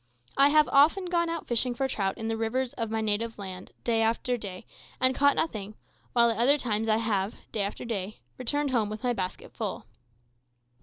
I have often gone out fishing for trout in the rivers of my native land, day after day, and caught nothing, while at other times I have, day after day, returned home with my basket full.